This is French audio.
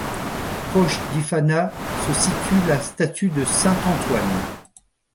Proche d'Ifana, se situe la statue de Saint-Antoine.